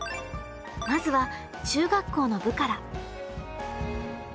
まずは中学校の部から。